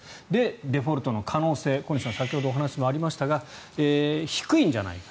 デフォルトの可能性、小西さん先ほどのお話もありましたが低いんじゃないか。